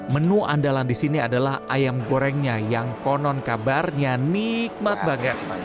menu andalan di sini adalah ayam gorengnya yang konon kabarnya nikmat banget